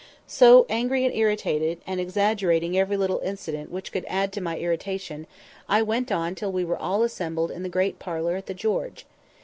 So, angry and irritated, and exaggerating every little incident which could add to my irritation, I went on till we were all assembled in the great parlour at the "George."